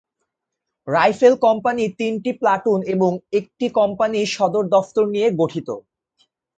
Rifle company তিনটি platoon এবং একটি কম্পানি সদর দফতর নিয়ে গঠিত।